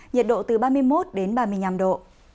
nhiệt độ từ ba mươi một đến ba mươi năm độ